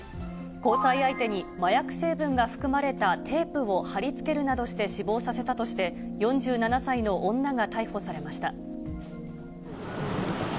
交際相手に麻薬成分が含まれたテープを貼りつけるなどして死亡させたとして、４７歳の女が逮捕されました。